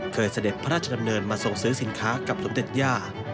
เสด็จพระราชดำเนินมาส่งซื้อสินค้ากับสมเด็จย่า